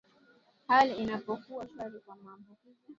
hali inapokuwa shwari kwa maambukizi